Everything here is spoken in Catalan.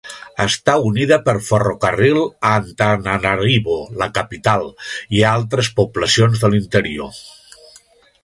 Està unida per ferrocarril a Antananarivo, la capital, i a altres poblacions de l'interior.